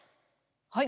はい。